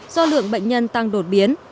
do lượng bệnh nhân tăng đột biến